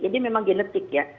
ini memang genetik ya